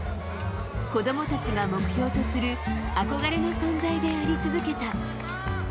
子供たちが目標とする憧れの存在であり続けた。